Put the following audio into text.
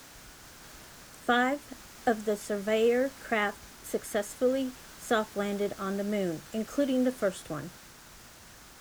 Five of the Surveyor craft successfully soft-landed on the moon, including the first one.